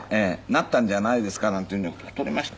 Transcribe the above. なったんじゃないですかなんていうんじゃなくて太りました。